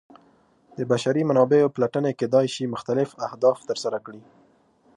د بشري منابعو پلټنې کیدای شي مختلف اهداف ترسره کړي.